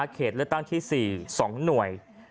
เขตเลือกตั้งที่๔๒หน่วย